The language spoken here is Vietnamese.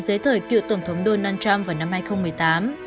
dưới thời cựu tổng thống donald trump vào năm hai nghìn một mươi tám